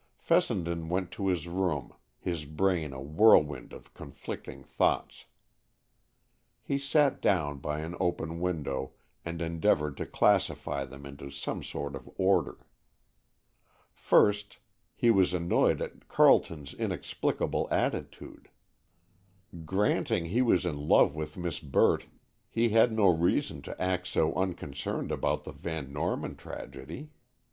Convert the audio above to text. Fessenden went to his room, his brain a whirlwind of conflicting thoughts. He sat down by an open window and endeavored to classify them into some sort of order. First, he was annoyed at Carleton's inexplicable attitude. Granting he was in love with Miss Burt, he had no reason to act so unconcerned about the Van Norman tragedy.